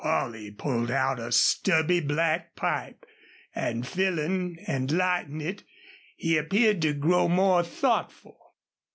Holley pulled out a stubby black pipe and, filling and lighting it, he appeared to grow more thoughtful.